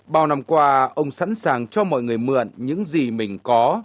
bao năm qua ông sẵn sàng cho mọi người mượn những gì mình có